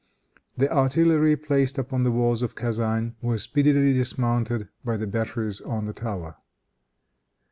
The artillery, placed upon the walls of Kezan, were speedily dismounted by the batteries on the tower.